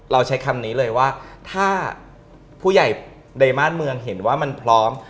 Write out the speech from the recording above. ใช้คำนี้เลยว่าถ้าผู้ใหญ่ในบ้านเมืองเห็นว่ามันพร้อม